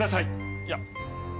いや。